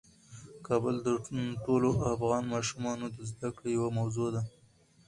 کابل د ټولو افغان ماشومانو د زده کړې یوه موضوع ده.